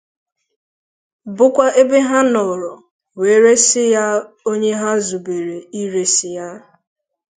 bụkwa ebe ha nọrọ wee resi ya onye ha zùbèrè iresi ya